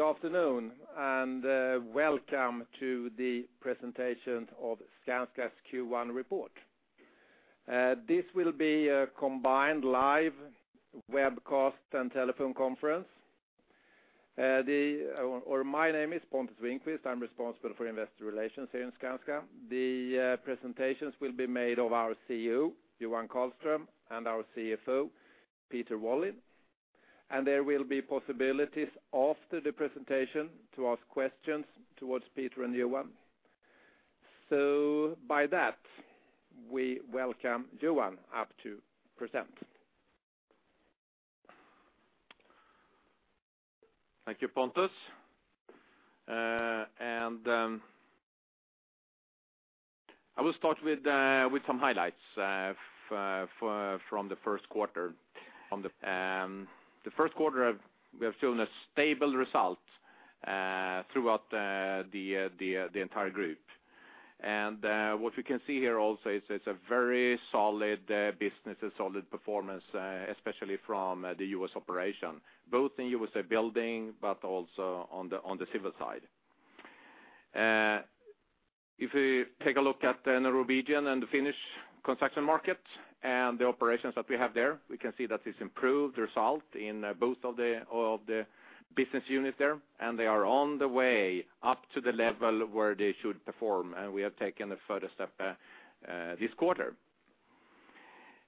Good afternoon, and welcome to the presentation of Skanska's Q1 report. This will be a combined live webcast and telephone conference. My name is Pontus Winqvist, I'm responsible for investor relations here in Skanska. The presentations will be made by our CEO, Johan Karlström, and our CFO, Peter Wallin. And there will be possibilities after the presentation to ask questions towards Peter and Johan. So by that, we welcome Johan up to present. Thank you, Pontus. I will start with some highlights from the Q1. On the Q1, we have shown a stable result throughout the entire group. And what we can see here also is it's a very solid business, a solid performance, especially from the U.S. operation, both in USA Building, but also on the civil side. If we take a look at the Norwegian and the Finnish construction market, and the operations that we have there, we can see that it's improved result in both of the business units there, and they are on the way up to the level where they should perform, and we have taken a further step this quarter.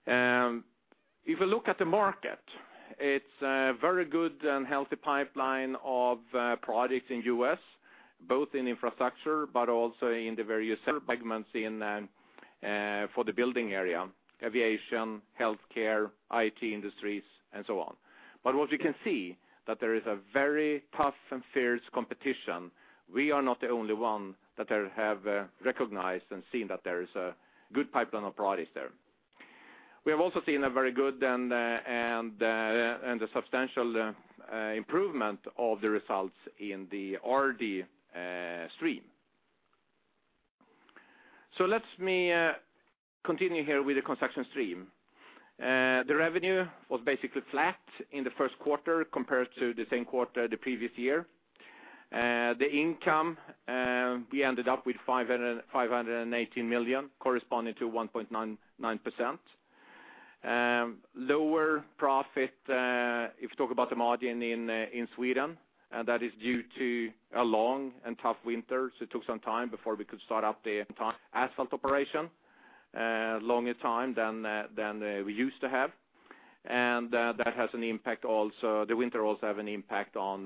If you look at the market, it's a very good and healthy pipeline of products in U.S., both in infrastructure, but also in the various segments in for the building area, aviation, healthcare, IT industries, and so on. But what we can see, that there is a very tough and fierce competition. We are not the only one that have recognized and seen that there is a good pipeline of products there. We have also seen a very good and a substantial improvement of the results in the RD stream. So let me continue here with the construction stream. The revenue was basically flat in the Q1 compared to the same quarter the previous year. The income, we ended up with 518 million, corresponding to 1.99%. Lower profit, if you talk about the margin in Sweden, and that is due to a long and tough winter, so it took some time before we could start up the asphalt operation, longer time than we used to have. And that has an impact also, the winter also have an impact on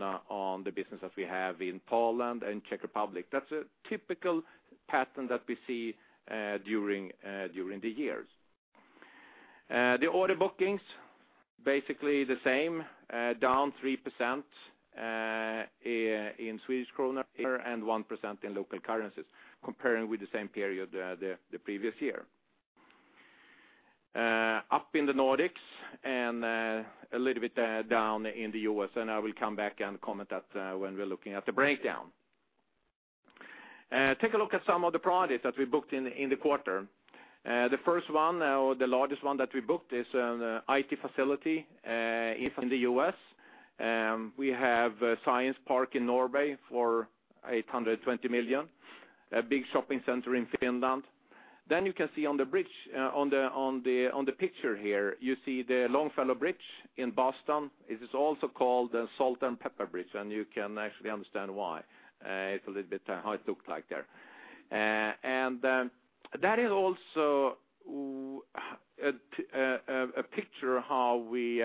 the business that we have in Poland and Czech Republic. That's a typical pattern that we see during the years. The order bookings, basically the same, down 3% in Swedish kronor, and 1% in local currencies, comparing with the same period, the previous year. Up in the Nordics, and a little bit down in the U.S., and I will come back and comment that when we're looking at the breakdown. Take a look at some of the products that we booked in, in the quarter. The first one, or the largest one that we booked, is an IT facility in the U.S. We have a science park in Norway for 820 million, a big shopping center in Finland. Then you can see on the bridge, on the picture here, you see the Longfellow Bridge in Boston. It is also called the Salt and Pepper Bridge, and you can actually understand why. It's a little bit how it looked like there. And that is also a picture of how we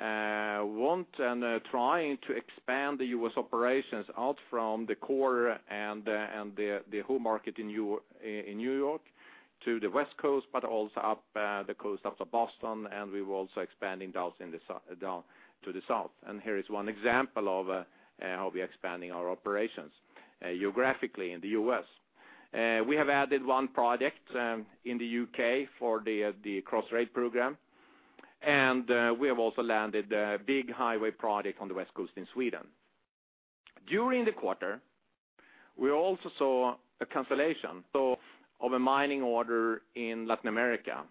want and are trying to expand the U.S. operations out from the core and the whole market in N.Y. to the West Coast, but also up the coast up to Boston, and we were also expanding down in the south, down to the south. And here is one example of how we are expanding our operations geographically in the U.S. We have added one project in the U.K. for the Crossrail program, and we have also landed a big highway project on the West Coast in Sweden. During the quarter, we also saw a cancellation of a mining order in Latin America.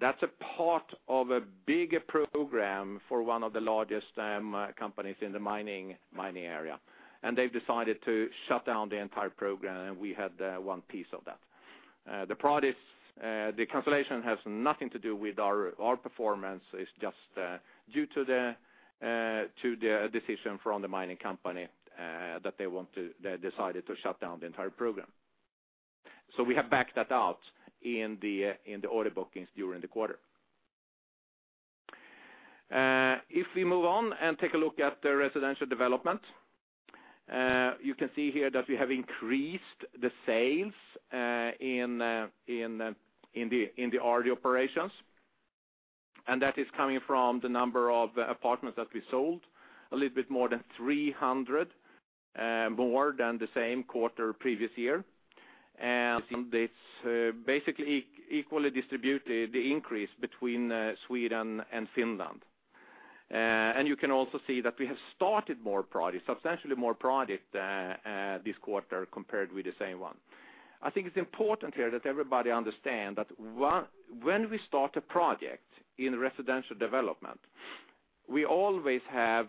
That's a part of a bigger program for one of the largest companies in the mining area, and they've decided to shut down the entire program, and we had one piece of that. The cancellation has nothing to do with our performance. It's just due to the decision from the mining company that they decided to shut down the entire program. So we have backed that out in the order bookings during the quarter. If we move on and take a look at the residential development, you can see here that we have increased the sales in the RD operations, and that is coming from the number of apartments that we sold, a little bit more than 300 more than the same quarter previous year. It's basically equally distributed, the increase between Sweden and Finland. You can also see that we have started more projects, substantially more projects, this quarter compared with the same one. I think it's important here that everybody understand that when we start a project in residential development, we always have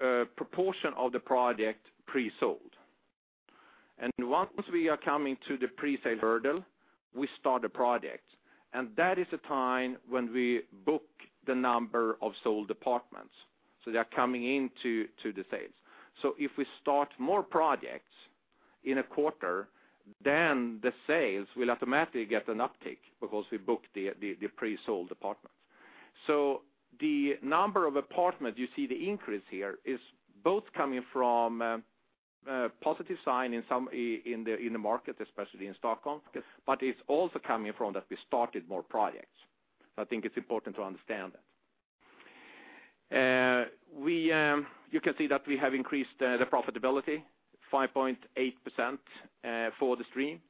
a proportion of the project pre-sold. Once we are coming to the pre-sale hurdle, we start a project, and that is the time when we book the number of sold apartments. So they are coming into the sales. So if we start more projects in a quarter, then the sales will automatically get an uptick because we booked the pre-sold apartments. So the number of apartments you see the increase here is both coming from a positive sign in some in the market, especially in Stockholm, but it's also coming from that we started more projects. So I think it's important to understand that. You can see that we have increased the profitability 5.8% for the stream,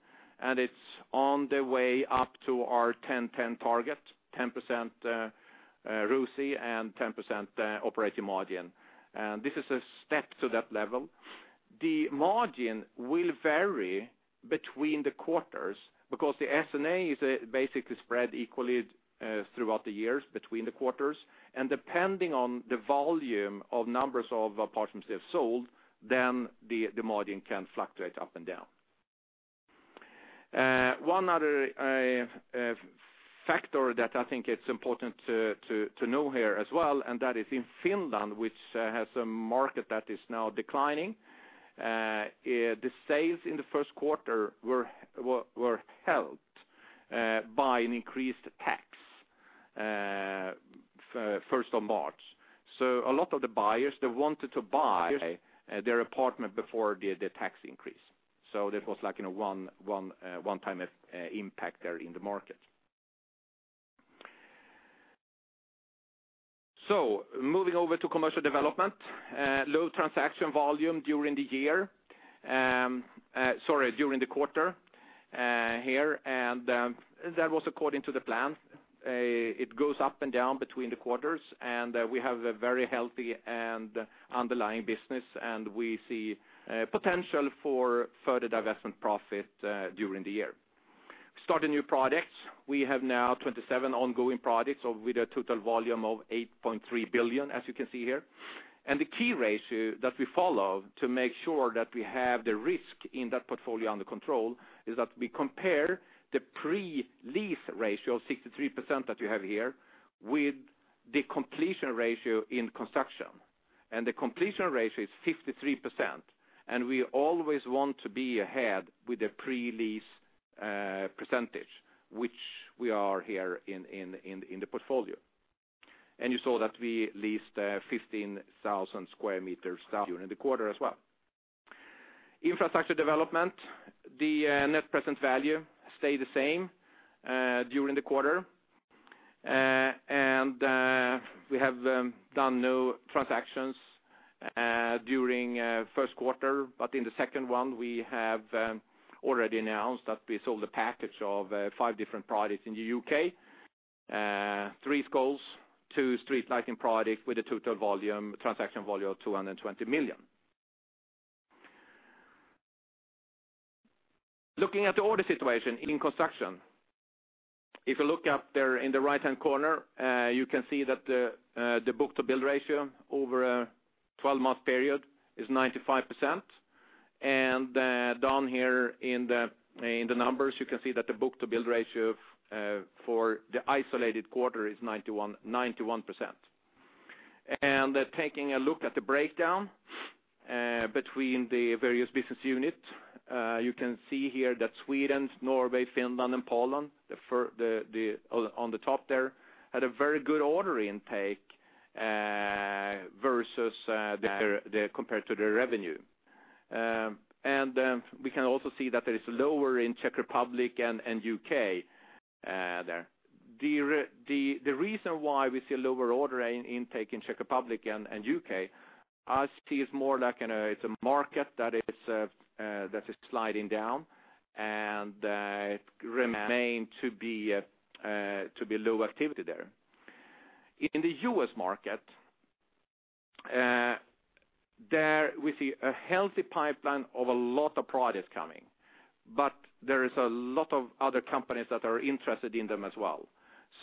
and it's on the way up to our 10/10 target, 10% ROCE and 10% operating margin. This is a step to that level. The margin will vary between the quarters because the S&A is basically spread equally throughout the years between the quarters. Depending on the volume of numbers of apartments they have sold, then the margin can fluctuate up and down. One other factor that I think it's important to know here as well, and that is in Finland, which has a market that is now declining. The sales in the Q1 were helped by an increased tax March 1st. So a lot of the buyers, they wanted to buy their apartment before the tax increase. So that was like a one-time impact there in the market. So moving over to commercial development, low transaction volume during the year, sorry, during the quarter, here, and that was according to the plan. It goes up and down between the quarters, and we have a very healthy and underlying business, and we see potential for further divestment profit during the year. Started new projects. We have now 27 ongoing projects with a total volume of 8.3 billion, as you can see here. And the key ratio that we follow to make sure that we have the risk in that portfolio under control is that we compare the pre-lease ratio, 63%, that you have here, with the completion ratio in construction. The completion ratio is 53%, and we always want to be ahead with the pre-lease percentage, which we are here in the portfolio. You saw that we leased 15,000 sq m during the quarter as well. Infrastructure development, the net present value stayed the same during the quarter. And we have done no transactions during Q1, but in the second one, we have already announced that we sold a package of five different projects in the U.K. Three schools, two street lighting projects with a total volume, transaction volume of 220 million. Looking at the order situation in construction, if you look up there in the right-hand corner, you can see that the book-to-bill ratio over a 12-month period is 95%. Down here in the numbers, you can see that the book-to-bill ratio for the isolated quarter is 91%. Taking a look at the breakdown between the various business units, you can see here that Sweden, Norway, Finland, and Poland, on the top there, had a very good order intake versus compared to the revenue. And we can also see that there is lower in Czech Republic and U.K. there. The reason why we see lower order intake in Czech Republic and U.K., I see it's more like an it's a market that is that is sliding down, and it remain to be to be low activity there. In the U.S. market, there we see a healthy pipeline of a lot of projects coming, but there is a lot of other companies that are interested in them as well.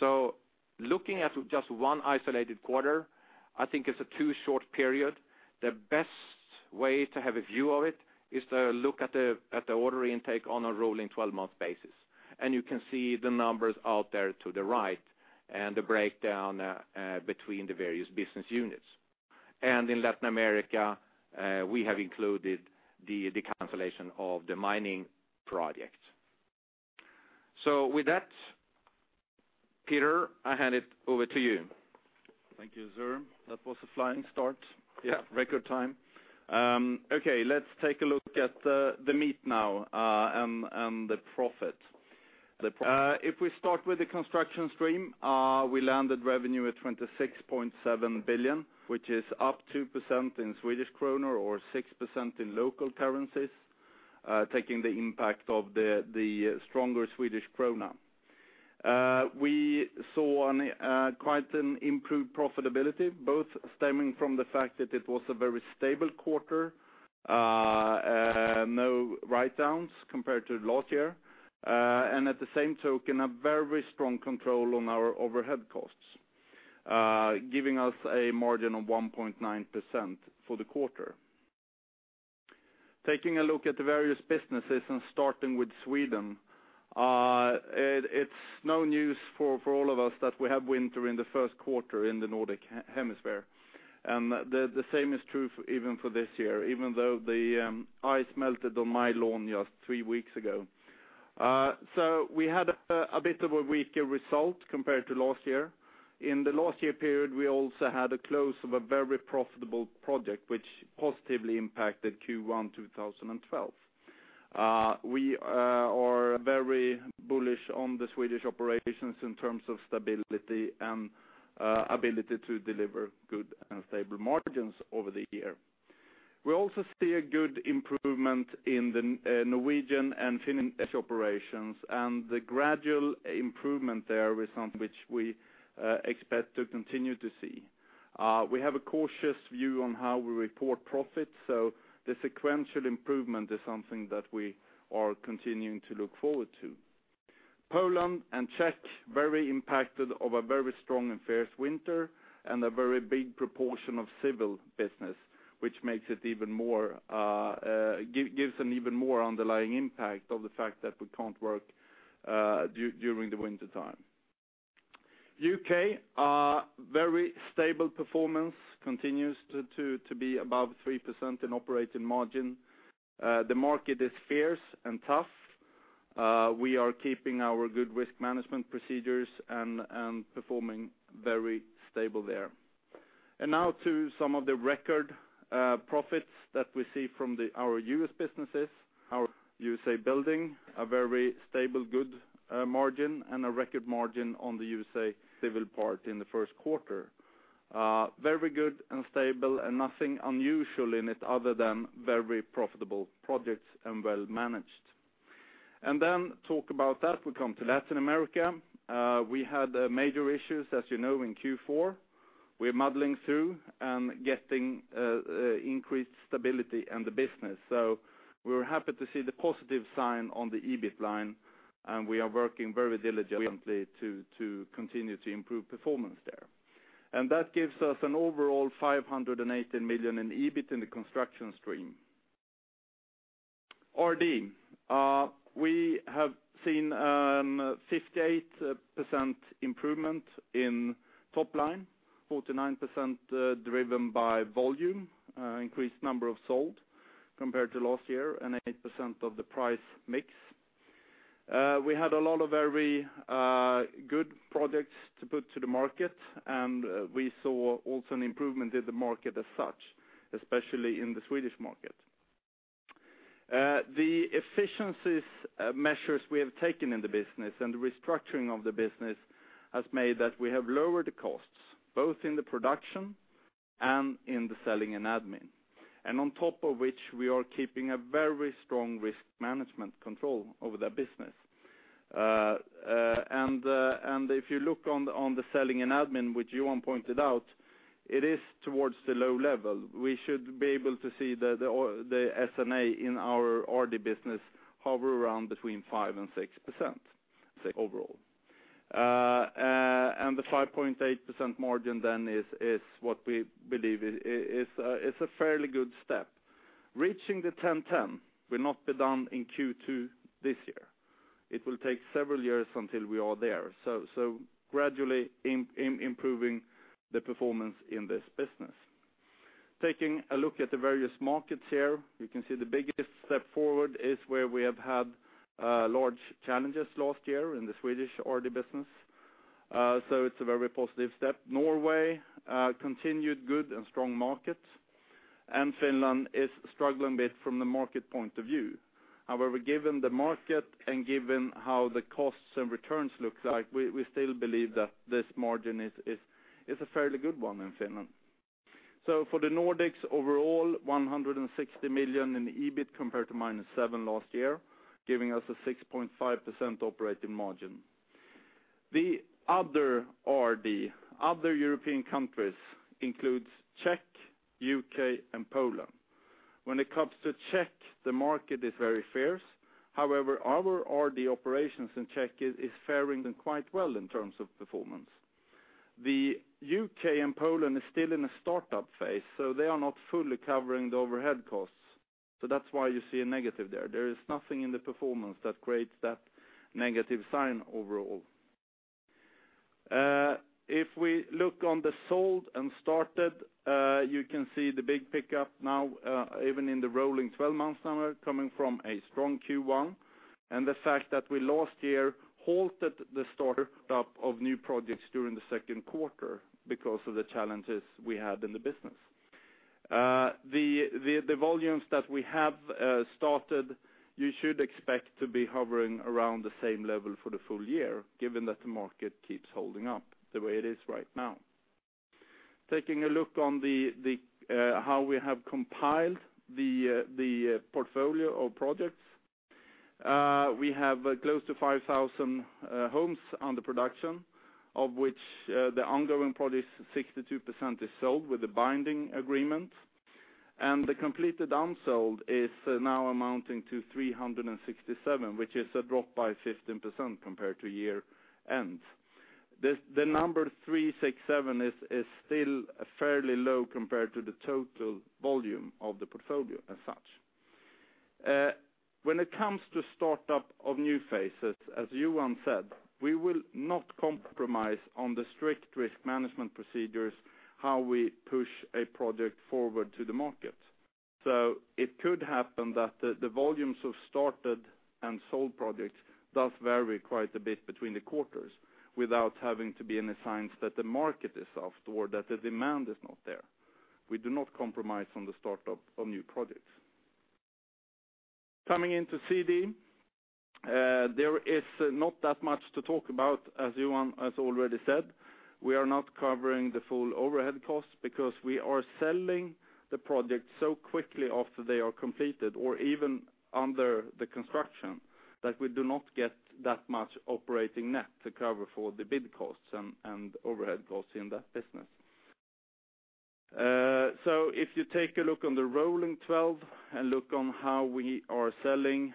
So looking at just one isolated quarter, I think it's a too short period. The best way to have a view of it is to look at the order intake on a rolling twelve-month basis. And you can see the numbers out there to the right, and the breakdown between the various business units. And in Latin America, we have included the cancellation of the mining project. So with that, Peter, I hand it over to you. Thank you, Johan. That was a flying start. Yeah. Okay, let's take a look at the meat now, and the profit. If we start with the construction stream, we landed revenue at 26.7 billion, which is up 2% in Swedish krona or 6% in local currencies, taking the impact of the stronger Swedish krona. We saw quite an improved profitability, both stemming from the fact that it was a very stable quarter. No write-downs compared to last year. And at the same token, a very strong control on our overhead costs, giving us a margin of 1.9% for the quarter. Taking a look at the various businesses and starting with Sweden, it's no news for all of us that we have winter in the Q1 in the Northern Hemisphere, and the same is true even for this year, even though the ice melted on my lawn just three weeks ago. So we had a bit of a weaker result compared to last year. In the last year period, we also had a close of a very profitable project, which positively impacted Q1 2012. We are very bullish on the Swedish operations in terms of stability and ability to deliver good and stable margins over the year. We also see a good improvement in the Norwegian and Finnish operations, and the gradual improvement there is something which we expect to continue to see. We have a cautious view on how we report profits, so the sequential improvement is something that we are continuing to look forward to. Poland and Czech, very impacted of a very strong and fierce winter, and a very big proportion of civil business, which makes it even more, gives an even more underlying impact of the fact that we can't work during the wintertime. U.K., a very stable performance, continues to be above 3% in operating margin. The market is fierce and tough. We are keeping our good risk management procedures and performing very stable there. And now to some of the record profits that we see from our U.S. businesses, our USA Building, a very stable, good margin, and a record margin on the USA Civil part in the Q1. Very good and stable, and nothing unusual in it other than very profitable projects and well-managed. And then talk about that, we come to Latin America. We had major issues, as you know, in Q4. We're muddling through and getting increased stability in the business. So we were happy to see the positive sign on the EBIT line, and we are working very diligently to continue to improve performance there. And that gives us an overall 518 million in EBIT in the construction stream. RD, we have seen 58% improvement in top line, 49% driven by volume, increased number of sold compared to last year, and 8% of the price mix. We had a lot of very good projects to put to the market, and we saw also an improvement in the market as such, especially in the Swedish market. The efficiencies measures we have taken in the business and the restructuring of the business has made that we have lowered the costs, both in the production and in the selling and admin. And on top of which, we are keeping a very strong risk management control over the business. And if you look on the selling and admin, which Johan pointed out, it is towards the low level. We should be able to see the S&A in our RD business hover around between 5%-6% overall. And the 5.8% margin then is what we believe is a fairly good step. Reaching the 10/10 will not be done in Q2 this year. It will take several years until we are there, so gradually improving the performance in this business. Taking a look at the various markets here, you can see the biggest step forward is where we have had large challenges last year in the Swedish RD business. So it's a very positive step. Norway, continued good and strong market, and Finland is struggling a bit from the market point of view. However, given the market and given how the costs and returns looks like, we still believe that this margin is a fairly good one in Finland. So for the Nordics, overall, 160 million in EBIT compared to -7 million last year, giving us a 6.5% operating margin. The other RD, other European countries, includes Czech, U.K., and Poland. When it comes to Czech, the market is very fierce. However, our RD operations in Czech is faring quite well in terms of performance. The UK and Poland is still in a startup phase, so they are not fully covering the overhead costs. So that's why you see a negative there. There is nothing in the performance that creates that negative sign overall. If we look on the sold and started, you can see the big pickup now, even in the rolling 12-month number, coming from a strong Q1, and the fact that we last year halted the startup of new projects during the Q2 because of the challenges we had in the business. The volumes that we have started, you should expect to be hovering around the same level for the full year, given that the market keeps holding up the way it is right now. Taking a look on the how we have compiled the portfolio of projects. We have close to 5,000 homes under production, of which the ongoing projects, 62% is sold with a binding agreement. The completed unsold is now amounting to 367, which is a drop by 15% compared to year end. The number 367 is still fairly low compared to the total volume of the portfolio as such. When it comes to start-up of new phases, as Johan said, we will not compromise on the strict risk management procedures, how we push a project forward to the market. So it could happen that the volumes of started and sold projects does vary quite a bit between the quarters without having to be any signs that the market is off or that the demand is not there. We do not compromise on the start-up of new projects. Coming into CD, there is not that much to talk about, as Johan has already said. We are not covering the full overhead costs because we are selling the projects so quickly after they are completed, or even under the construction, that we do not get that much operating net to cover for the bid costs and overhead costs in that business. So if you take a look on the rolling 12, and look on how we are selling,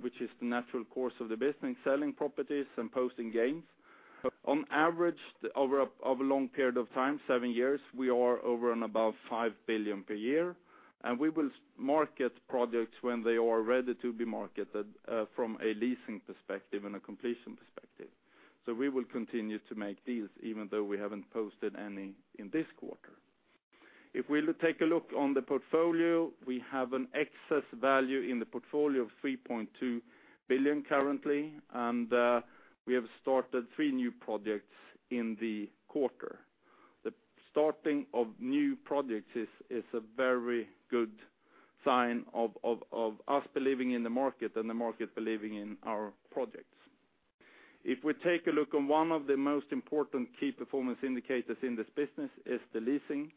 which is the natural course of the business, selling properties and posting gains. On average, over a long period of time, seven years, we are over and above 5 billion per year, and we will market projects when they are ready to be marketed, from a leasing perspective and a completion perspective. So we will continue to make deals, even though we haven't posted any in this quarter. If we take a look on the portfolio, we have an excess value in the portfolio of 3.2 billion currently, and we have started three new projects in the quarter. The starting of new projects is a very good sign of us believing in the market and the market believing in our projects. If we take a look on one of the most important key performance indicators in this business, is the leasing.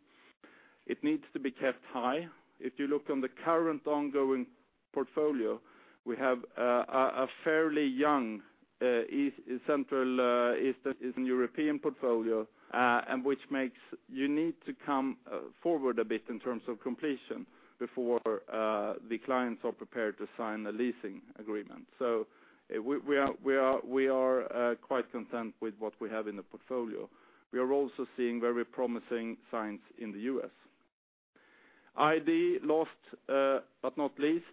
It needs to be kept high. If you look on the current ongoing portfolio, we have a fairly young Eastern European portfolio, and which makes you need to come forward a bit in terms of completion before the clients are prepared to sign a leasing agreement. So we are quite content with what we have in the portfolio. We are also seeing very promising signs in the U.S. ID, last but not least,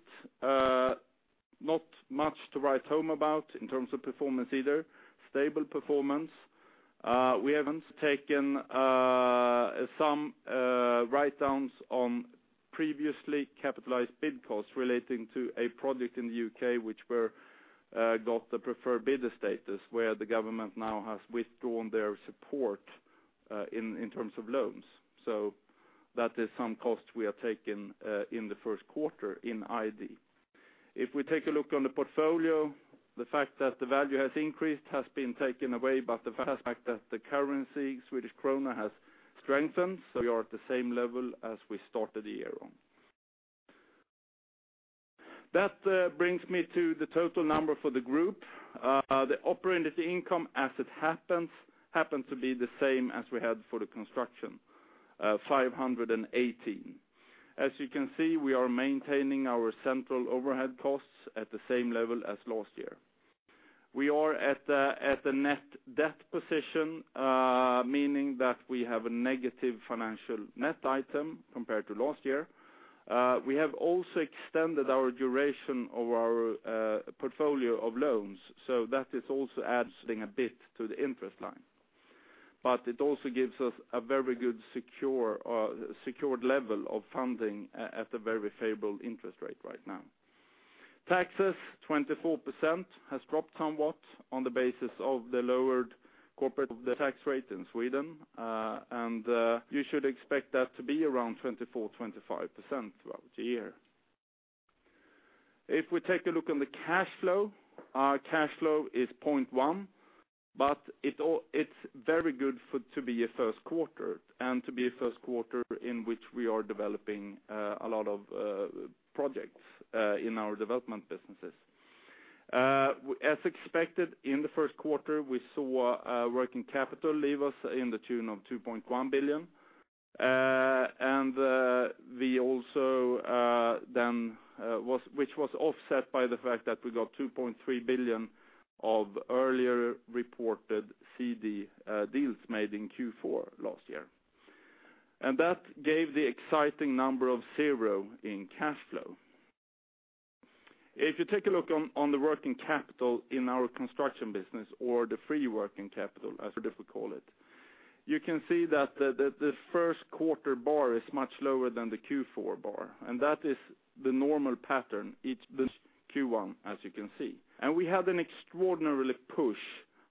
not much to write home about in terms of performance either. Stable performance. We haven't taken some write-downs on previously capitalized bid costs relating to a project in the U.K., which got the preferred bidder status, where the government now has withdrawn their support in terms of loans. So that is some costs we have taken in the Q1 in ID. If we take a look on the portfolio, the fact that the value has increased has been taken away, but the fact that the currency, Swedish krona, has strengthened, so we are at the same level as we started the year on. That brings me to the total number for the group. The operating income, as it happens, happens to be the same as we had for the construction, 518. As you can see, we are maintaining our central overhead costs at the same level as last year. We are at a net debt position, meaning that we have a negative financial net item compared to last year. We have also extended our duration of our portfolio of loans, so that is also adding a bit to the interest line. But it also gives us a very good, secure, secured level of funding at a very favorable interest rate right now. Taxes, 24%, has dropped somewhat on the basis of the lowered corporate tax rate in Sweden. And you should expect that to be around 24%-25% throughout the year. If we take a look on the cash flow, our cash flow is 0.1, but it's very good for to be a Q1, and to be a Q1 in which we are developing a lot of projects in our development businesses. As expected, in the Q1, we saw working capital leave us to the tune of 2.1 billion. And we also then which was offset by the fact that we got 2.3 billion of earlier reported CD deals made in Q4 last year. And that gave the exciting number of zero in cash flow. If you take a look on the working capital in our construction business, or the free working capital, as we call it, you can see that the Q1 bar is much lower than the Q4 bar, and that is the normal pattern each Q1, as you can see. And we had an extraordinarily push,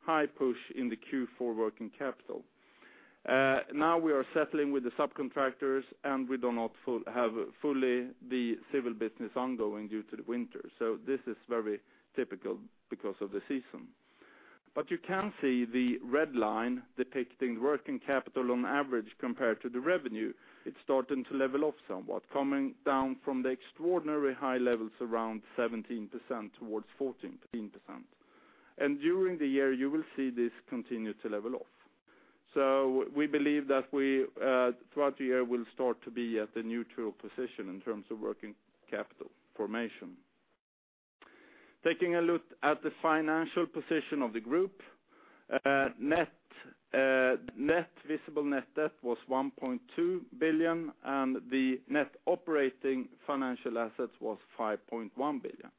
high push in the Q4 working capital. Now we are settling with the subcontractors, and we do not fully have the civil business ongoing due to the winter. So this is very typical because of the season. But you can see the red line depicting working capital on average compared to the revenue. It's starting to level off somewhat, coming down from the extraordinary high levels around 17% towards 14%. And during the year, you will see this continue to level off. So we believe that we throughout the year will start to be at the neutral position in terms of working capital formation. Taking a look at the financial position of the group, net visible net debt was 1.2 billion, and the net operating financial assets was 5.1 billion.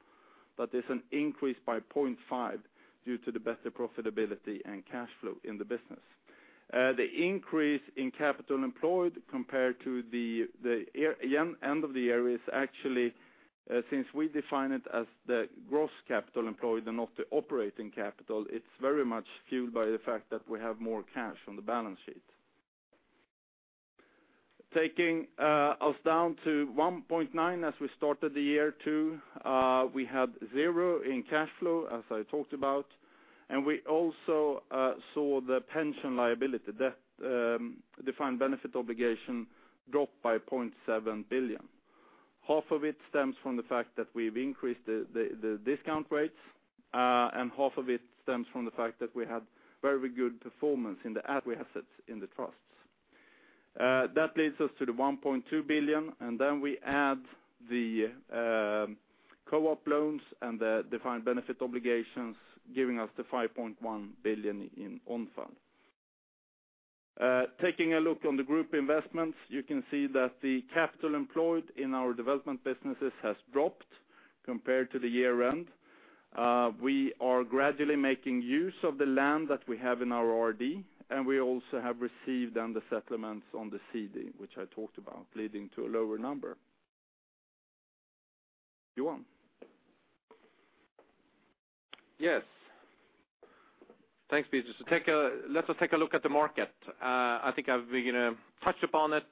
But there's an increase by 0.5 billion due to the better profitability and cash flow in the business. The increase in capital employed compared to the year end of the year is actually since we define it as the gross capital employed and not the operating capital, it's very much fueled by the fact that we have more cash on the balance sheet. Taking us down to 1.9x as we started the year 2022, we had zero in cash flow, as I talked about, and we also saw the pension liability debt, defined benefit obligation drop by 0.7 billion. Half of it stems from the fact that we've increased the discount rates, and half of it stems from the fact that we had very good performance in the assets in the trusts. That leads us to the 1.2 billion, and then we add the co-op loans and the defined benefit obligations, giving us the 5.1 billion in own fund. Taking a look on the group investments, you can see that the capital employed in our development businesses has dropped compared to the year end. We are gradually making use of the land that we have in our RD, and we also have received on the settlements on the CD, which I talked about, leading to a lower number, Johan? Yes. Thanks, Peter. So let us take a look at the market. I think I've, you know, touched upon it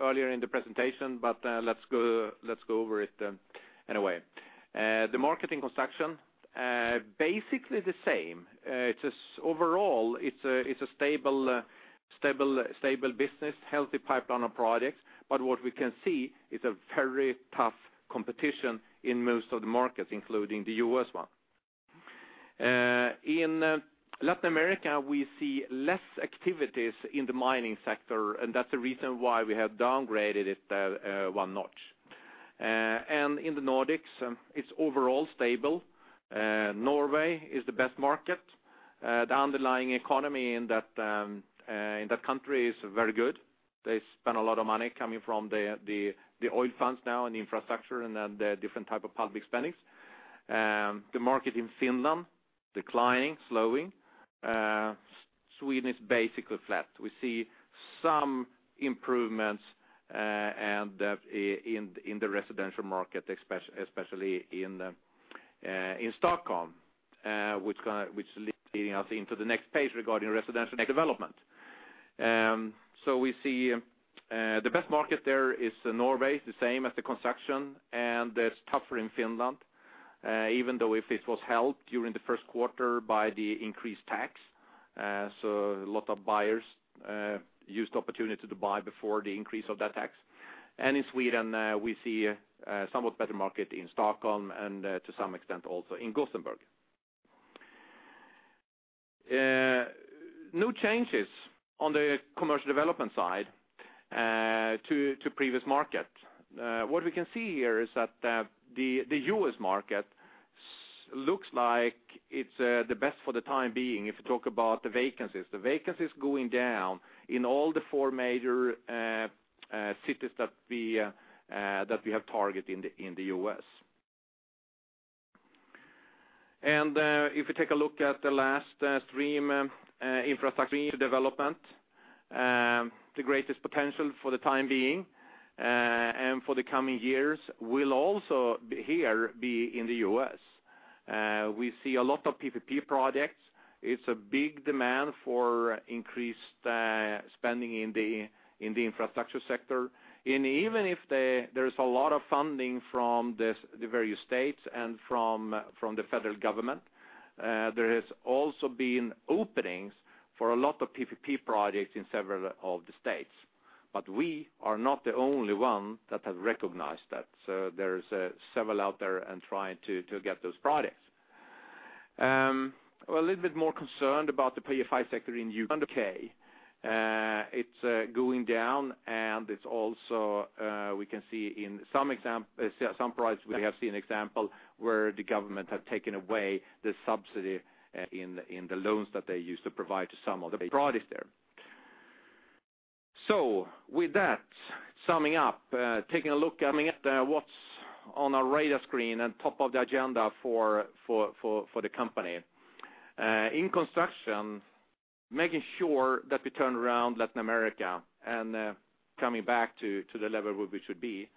earlier in the presentation, but let's go over it anyway. The market in construction basically the same. It's just overall, it's a stable business, healthy pipeline of products. But what we can see is a very tough competition in most of the markets, including the U.S. one. In Latin America, we see less activities in the mining sector, and that's the reason why we have downgraded it one notch. And in the Nordics, it's overall stable. Norway is the best market. The underlying economy in that country is very good. They spend a lot of money coming from the oil funds now, and the infrastructure, and then the different type of public spendings. The market in Finland, declining, slowing. Sweden is basically flat. We see some improvements, and in the residential market, especially in Stockholm, which is leading us into the next page regarding residential development. So we see the best market there is Norway, the same as the construction, and it's tougher in Finland, even though it was held during the Q1 by the increased tax. So a lot of buyers used the opportunity to buy before the increase of that tax. And in Sweden, we see somewhat better market in Stockholm, and to some extent, also in Gothenburg. No changes on the commercial development side to previous market. What we can see here is that the U.S. market looks like it's the best for the time being, if you talk about the vacancies. The vacancy is going down in all the four major cities that we have targeted in the U.S. And if you take a look at the last stream, infrastructure development, the greatest potential for the time being and for the coming years will also be in the U.S. We see a lot of PPP projects. It's a big demand for increased spending in the infrastructure sector. Even if there's a lot of funding from this, the various states and from the federal government, there has also been openings for a lot of PPP projects in several of the states. But we are not the only one that have recognized that, so there is several out there and trying to get those projects. We're a little bit more concerned about the PFI sector in U.K. It's going down, and it's also we can see in some example, some projects, we have seen example where the government have taken away the subsidy in the loans that they used to provide to some of the projects there. So with that, summing up, taking a look at what's on our radar screen and top of the agenda for the company. In construction, making sure that we turn around Latin America and coming back to the level where we should be,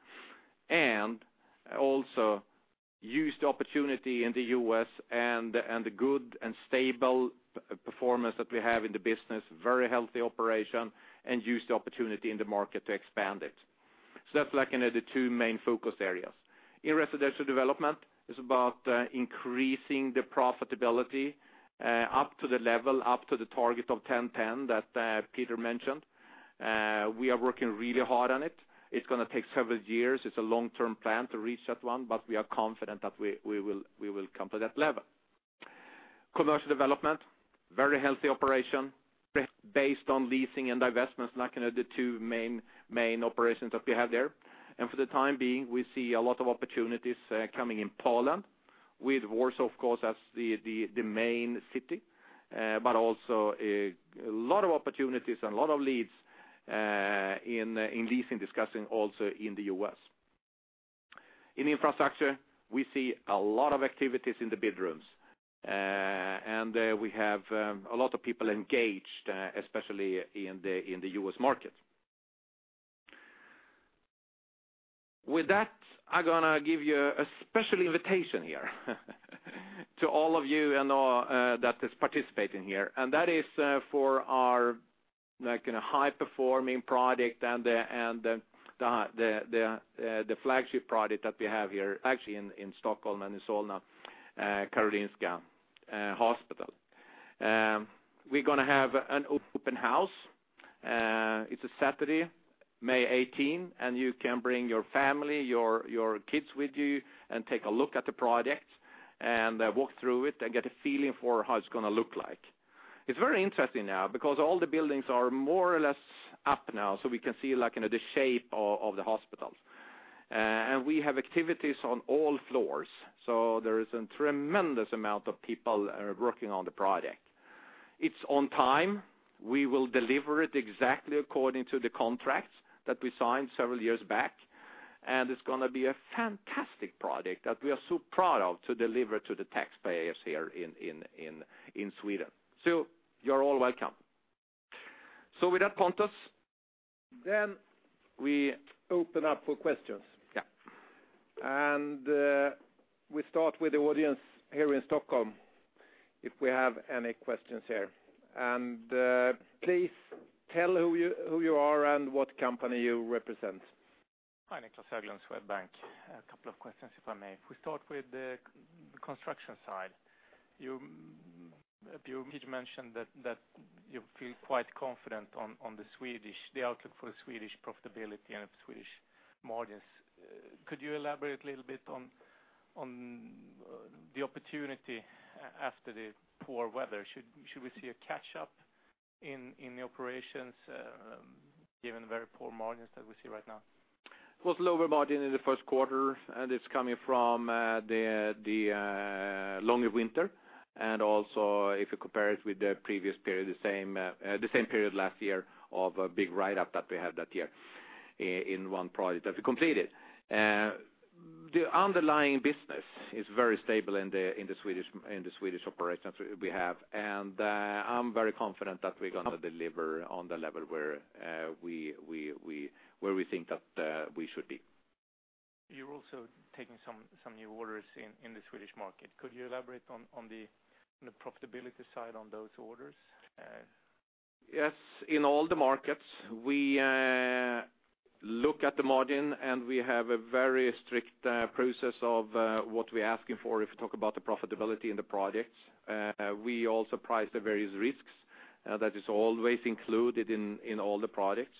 and also use the opportunity in the U.S. and the good and stable performance that we have in the business, very healthy operation, and use the opportunity in the market to expand it. So that's like, you know, the two main focus areas. In residential development, it's about increasing the profitability up to the level, up to the target of 10/10 that Peter mentioned. We are working really hard on it. It's gonna take several years. It's a long-term plan to reach that one, but we are confident that we will come to that level. Commercial development, very healthy operation, based on leasing and divestments, like, you know, the two main operations that we have there. For the time being, we see a lot of opportunities coming in Poland, with Warsaw, of course, as the main city. But also, a lot of opportunities and a lot of leads in leasing discussing also in the U.S. In infrastructure, we see a lot of activities in the bid rooms. And we have a lot of people engaged, especially in the U.S. market. With that, I'm gonna give you a special invitation here to all of you, you know, that is participating here, and that is for our, like, in a high-performing project, and the flagship project that we have here, actually, in Stockholm and in Solna, Karolinska Hospital. We're gonna have an open house. It's a Saturday, May 18th, and you can bring your family, your kids with you, and take a look at the project, and walk through it, and get a feeling for how it's gonna look like. It's very interesting now, because all the buildings are more or less up now, so we can see, like, you know, the shape of the hospital. And we have activities on all floors, so there is a tremendous amount of people working on the project. It's on time. We will deliver it exactly according to the contracts that we signed several years back, and it's gonna be a fantastic project that we are so proud of to deliver to the taxpayers here in Sweden. So you're all welcome. So with that, Pontus? Then we open up for questions. Yeah. We start with the audience here in Stockholm, if we have any questions here. Please tell who you are and what company you represent. Hi, Niclas Höglund, Swedbank. A couple of questions, if I may. If we start with the construction side, you, Peter mentioned that you feel quite confident on the Swedish outlook for the Swedish profitability and Swedish margins. Could you elaborate a little bit on the opportunity after the poor weather? Should we see a catch-up in the operations, given the very poor margins that we see right now? It was lower margin in the Q1, and it's coming from the longer winter, and also, if you compare it with the previous period, the same period last year of a big write-up that we had that year in one project that we completed. The underlying business is very stable in the Swedish operations we have, and I'm very confident that we're gonna deliver on the level where we think that we should be. You're also taking some new orders in the Swedish market. Could you elaborate on the profitability side on those orders? Yes, in all the markets, we look at the margin, and we have a very strict process of what we're asking for, if you talk about the profitability in the projects. We also price the various risks that is always included in all the projects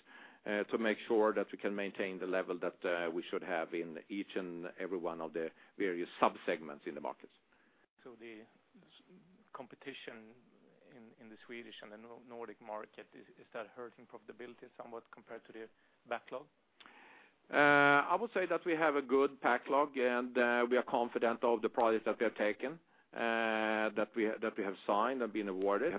to make sure that we can maintain the level that we should have in each and every one of the various sub-segments in the markets. So the competition in the Swedish and the Nordic market, is that hurting profitability somewhat compared to the backlog? I would say that we have a good backlog, and we are confident of the products that we have taken, that we have signed and been awarded.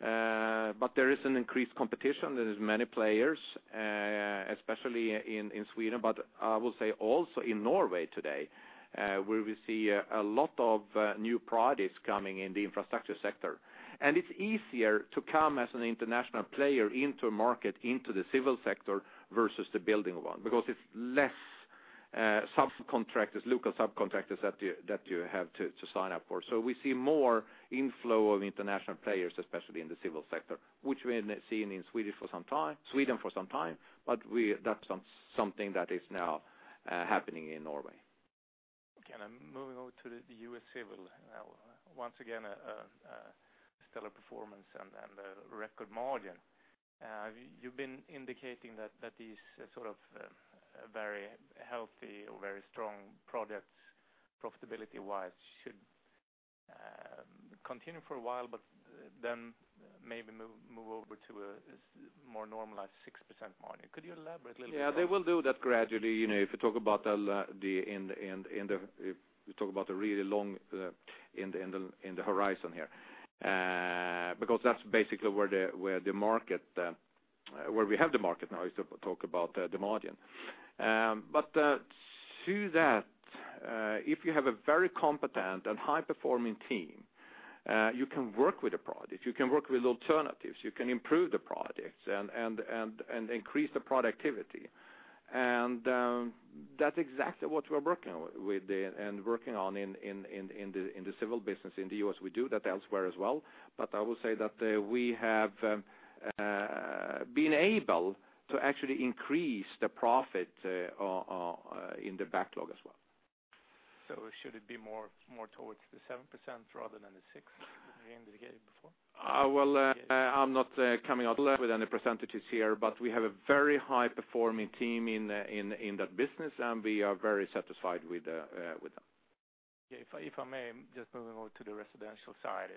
Yeah. But there is an increased competition. There is many players, especially in Sweden, but I will say also in Norway today, where we see a lot of new projects coming in the infrastructure sector. And it's easier to come as an international player into a market, into the civil sector, versus the building one, because it's less subcontractors, local subcontractors that you have to sign up for. So we see more inflow of international players, especially in the civil sector, which we have seen in Sweden for some time, but that's something that is now happening in Norway. Okay, and I'm moving on to the U.S. Civil. Once again, a stellar performance and a record margin. You've been indicating that these sort of very healthy or very strong projects, profitability-wise, should continue for a while, but then maybe move over to a more normalized 6% margin. Could you elaborate a little bit more? Yeah, they will do that gradually, you know, if you talk about the really long horizon here. Because that's basically where we have the market now is to talk about the margin. But to that, if you have a very competent and high-performing team, you can work with the projects, you can work with alternatives, you can improve the projects and increase the productivity. That's exactly what we're working with and working on in the civil business in the U.S. We do that elsewhere as well. But I will say that we have been able to actually increase the profit in the backlog as well. Should it be more towards the 7% rather than the 6%, in the year before? Well, I'm not coming out with any percentages here, but we have a very high-performing team in that business, and we are very satisfied with them. Yeah, if I may, just moving on to the residential side.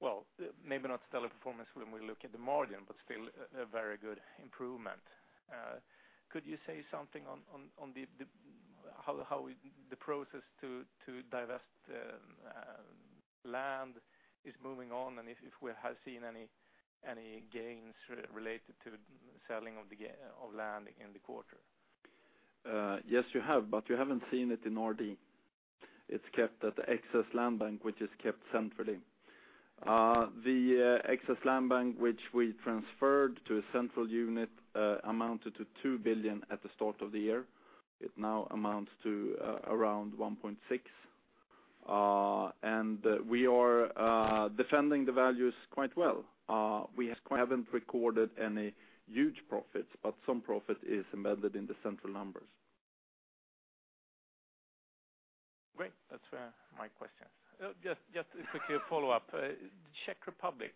Well, maybe not stellar performance when we look at the margin, but still a very good improvement. Could you say something on how the process to divest land is moving on, and if we have seen any gains related to selling of land in the quarter? Yes, you have, but you haven't seen it in RD. It's kept at the excess land bank, which is kept centrally. The excess land bank, which we transferred to a central unit, amounted to 2 billion at the start of the year. It now amounts to around 1.6 billion. And we are defending the values quite well. We haven't recorded any huge profits, but some profit is embedded in the central numbers. Great, that's my questions. Just a quick follow-up. Czech Republic,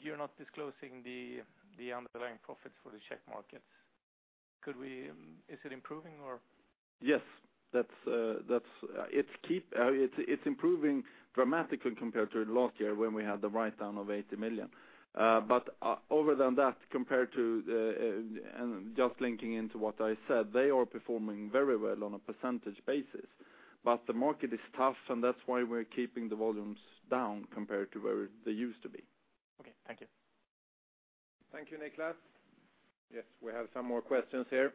you're not disclosing the underlying profits for the Czech markets. Could we— Is it improving or? Yes. That's improving dramatically compared to last year, when we had the write-down of 80 million. But other than that, compared to the, and just linking into what I said, they are performing very well on a percentage basis. But the market is tough, and that's why we're keeping the volumes down compared to where they used to be. Okay. Thank you. Thank you, Niclas. Yes, we have some more questions here.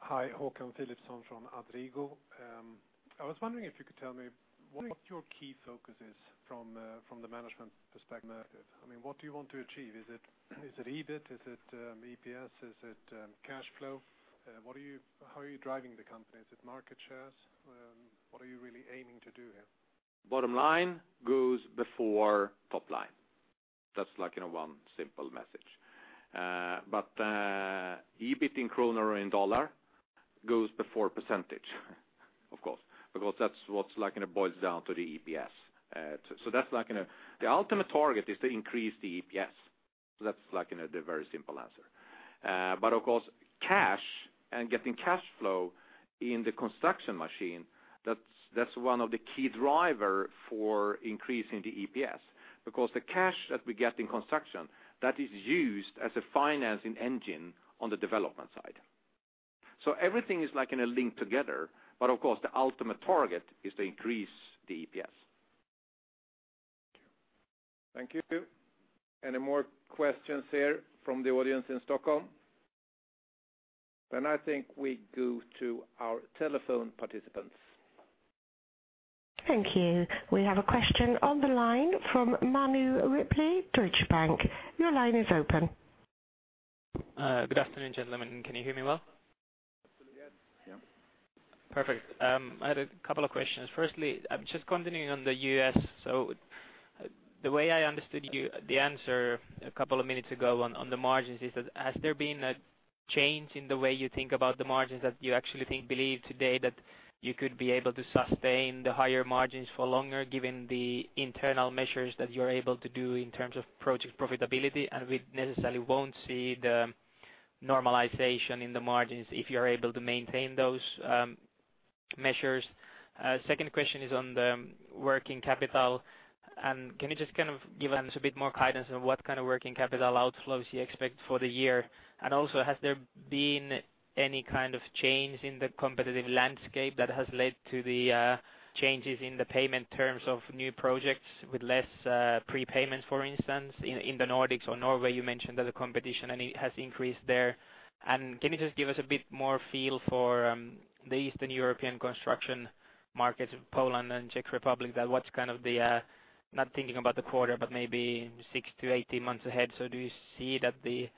Hi, Hakan Filipson from ABG Sundal Collier. I was wondering if you could tell me, what are your key focuses from the management perspective? I mean, what do you want to achieve? Is it EBIT? Is it EPS? Is it cash flow? What are you? How are you driving the company? Is it market shares? What are you really aiming to do here? Bottom line goes before top line. That's like, you know, one simple message. But, EBIT in kroner and dollar goes before percentage, of course, because that's what's like, you know, boils down to the EPS. So that's like, you know, the ultimate target is to increase the EPS. So that's like, you know, the very simple answer. But of course, cash and getting cash flow in the construction machine, that's one of the key driver for increasing the EPS. Because the cash that we get in construction, that is used as a financing engine on the development side. So everything is like in a link together, but of course, the ultimate target is to increase the EPS. Thank you. Thank you. Any more questions here from the audience in Stockholm? Then I think we go to our telephone participants. Thank you. We have a question on the line from Manu Rimpelä, Carnegie Bank., Carnegie Bank. Your line is open. Good afternoon, gentlemen. Can you hear me well? Yes. Yeah. Perfect. I had a couple of questions. Firstly, just continuing on the U.S. So the way I understood you, the answer a couple of minutes ago on the margins is that, has there been a change in the way you think about the margins, that you actually think, believe today that you could be able to sustain the higher margins for longer, given the internal measures that you're able to do in terms of project profitability? And we necessarily won't see the normalization in the margins if you're able to maintain those measures. Second question is on the working capital. Can you just kind of give us a bit more guidance on what kind of working capital outflows you expect for the year? And also, has there been any kind of change in the competitive landscape that has led to the changes in the payment terms of new projects with less prepayments, for instance? In the Nordics or Norway, you mentioned that the competition and it has increased there. And can you just give us a bit more feel for the Eastern European construction markets, Poland and Czech Republic, that what's kind of the not thinking about the quarter, but maybe six to 18 months ahead. So do you see that the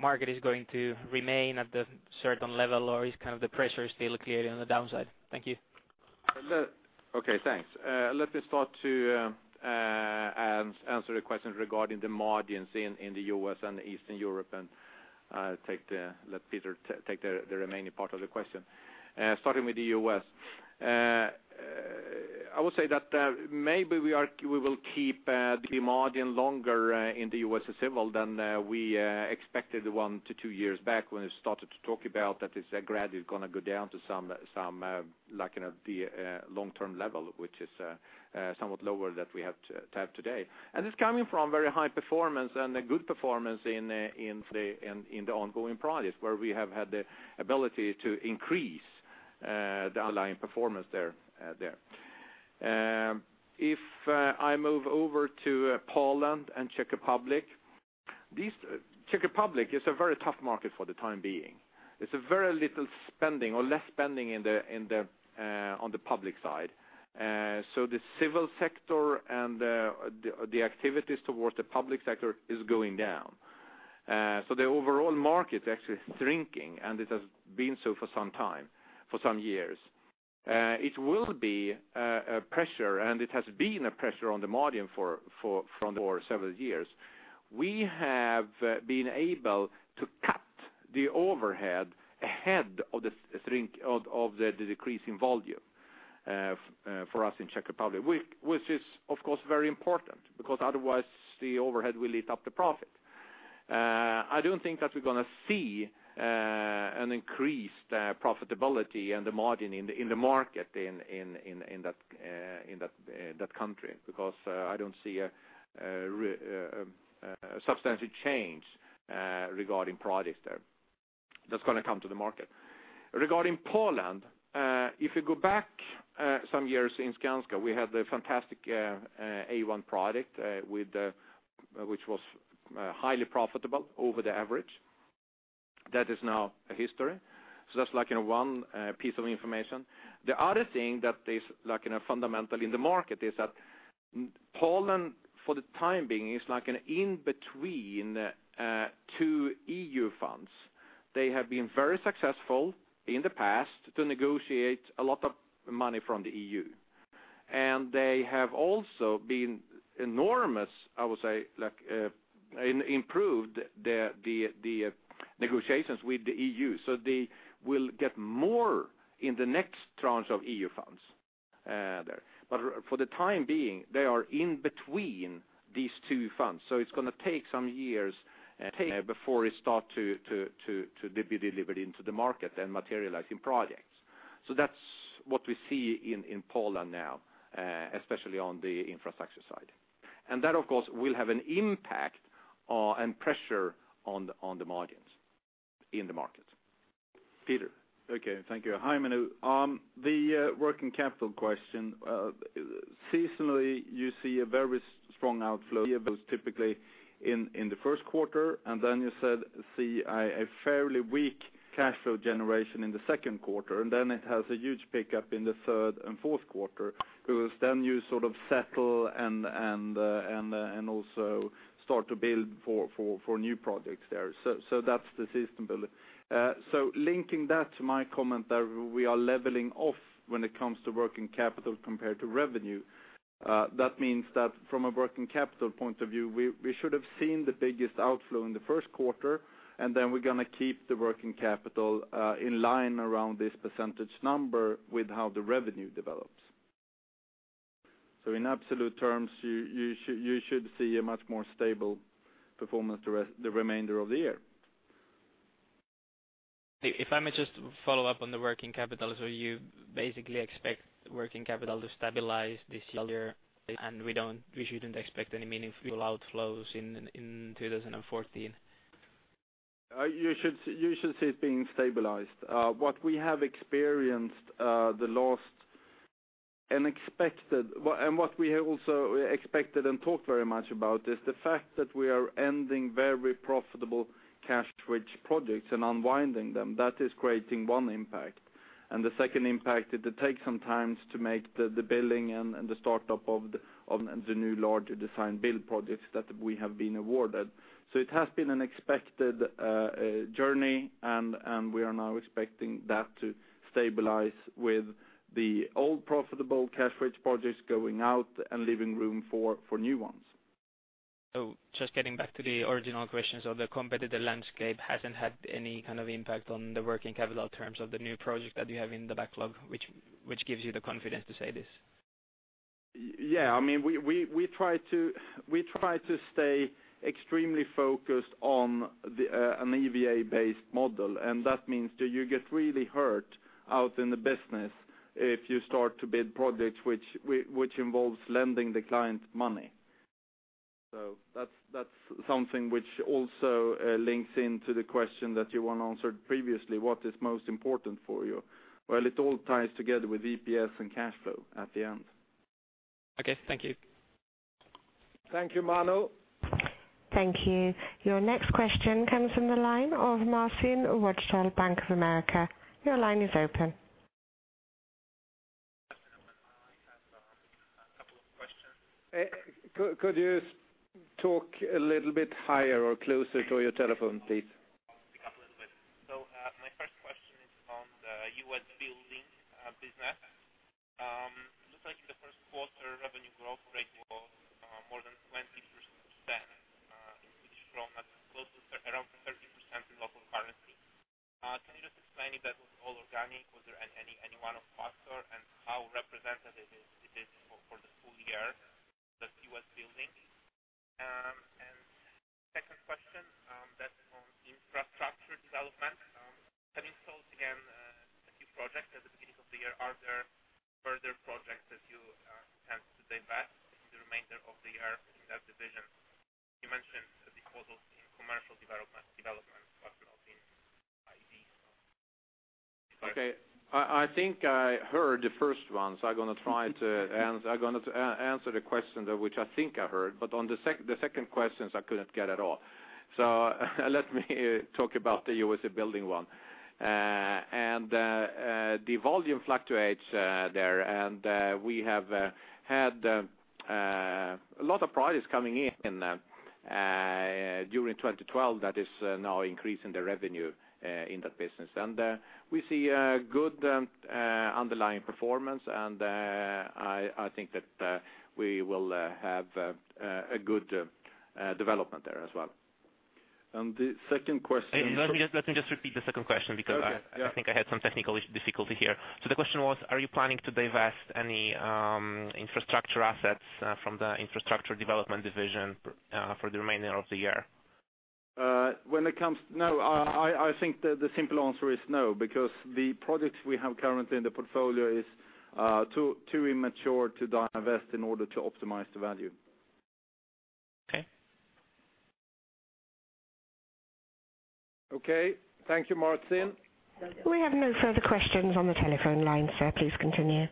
market is going to remain at the certain level, or is kind of the pressure still clearly on the downside? Thank you. Okay, thanks. Let me start to answer the question regarding the margins in the U.S. and Eastern Europe, and let Peter take the remaining part of the question. Starting with the U.S. I would say that maybe we are, we will keep the margin longer in the U.S. civil than we expected one to two years back, when we started to talk about that it's gradually gonna go down to some like, you know, the long-term level, which is somewhat lower than we have today. And it's coming from very high performance and a good performance in the ongoing projects, where we have had the ability to increase the underlying performance there. If I move over to Poland and Czech Republic, Czech Republic is a very tough market for the time being. It's a very little spending or less spending in the on the public side. So the civil sector and the activities towards the public sector is going down. So the overall market is actually shrinking, and it has been so for some time, for some years. It will be a pressure, and it has been a pressure on the margin for several years. We have been able to cut the overhead ahead of the decrease in volume for us in Czech Republic, which is, of course, very important, because otherwise the overhead will eat up the profit. I don't think that we're gonna see an increased profitability and the margin in the market in that country, because I don't see a substantive change regarding projects there that's gonna come to the market. Regarding Poland, if you go back some years in Skanska, we had a fantastic A1 product with the which was highly profitable over the average. That is now a history. So that's like in one piece of information. The other thing that is like in a fundamental in the market is that Poland for the time being is like an in-between two EU funds. They have been very successful in the past to negotiate a lot of money from the EU, and they have also enormously improved the negotiations with the EU, so they will get more in the next tranche of EU funds there. But for the time being, they are in between these two funds, so it's gonna take some years before it starts to be delivered into the market and materialize in projects. So that's what we see in Poland now, especially on the infrastructure side. And that, of course, will have an impact and pressure on the margins in the market. Peter? Okay, thank you. Hi, Manu. The working capital question, seasonally, you see a very strong outflow typically in the Q1, and then you see a fairly weak cash flow generation in the Q2, and then it has a huge pickup in the third and Q4, because then you sort of settle and also start to build for new projects there. So that's the system building. So linking that to my comment that we are leveling off when it comes to working capital compared to revenue, that means that from a working capital point of view, we should have seen the biggest outflow in the Q1, and then we're gonna keep the working capital in line around this percentage number with how the revenue develops. In absolute terms, you should see a much more stable performance the remainder of the year. If I may just follow up on the working capital. So you basically expect working capital to stabilize this year, and we don't, we shouldn't expect any meaningful outflows in 2014? You should see it being stabilized. What we have experienced, well, and what we have also expected and talked very much about is the fact that we are ending very profitable cash-rich projects and unwinding them. That is creating one impact. And the second impact is to take some time to make the billing and the start-up of the new larger design build projects that we have been awarded. So it has been an expected journey, and we are now expecting that to stabilize with the old profitable cash-rich projects going out and leaving room for new ones. Just getting back to the original question. The competitor landscape hasn't had any kind of impact on the working capital in terms of the new projects that you have in the backlog, which gives you the confidence to say this? Yeah, I mean, we try to stay extremely focused on the an EVA-based model, and that means that you get really hurt out in the business if you start to bid projects, which involves lending the client money. So that's something which also links into the question that you want answered previously, what is most important for you? Well, it all ties together with EPS and cash flow at the end. Okay. Thank you. Thank you, Manu. Thank you. Your next question comes from the line of Marcin Ruczaj, Bank of America. Your line is open. I have a couple of questions. Could you talk a little bit higher or closer to your telephone, please? I'll speak up a little bit. So, my first question is on the U.S. building business. Looks like in the Q1, revenue growth rate was more than 20%, which is from close to around 30% in local currency. Can you just explain if that was all organic, was there any one-off factor, and how representative it is, it is for the full year, the U.S. building? And second question, that's on infrastructure development. Having sold again a few projects at the beginning of the year, are there further projects that you tend to divest in the remainder of the year in that division? You mentioned the disposal in commercial development, development, but not in ID. Okay, I think I heard the first one, so I'm gonna try to answer the question that which I think I heard, but on the second questions, I couldn't get at all. So let me talk about the USA building one. The volume fluctuates there, and we have had a lot of projects coming in during 2012 that is now increasing the revenue in that business. And we see a good underlying performance, and I think that we will have a good development there as well. And the second question- Let me just repeat the second question because- Okay, yeah. I think I had some technical difficulty here. So the question was, are you planning to divest any infrastructure assets from the infrastructure development division for the remainder of the year? No, I think the simple answer is no, because the products we have currently in the portfolio is too immature to divest in order to optimize the value. Okay. Okay. Thank you, Marcin. We have no further questions on the telephone line, sir, please continue.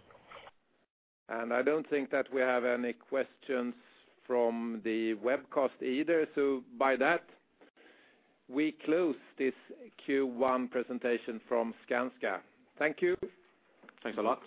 I don't think that we have any questions from the webcast either. By that, we close this Q1 presentation from Skanska. Thank you. Thanks a lot.